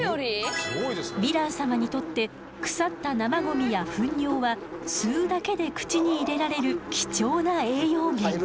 ヴィラン様にとって腐った生ゴミやふん尿は吸うだけで口に入れられる貴重な栄養源。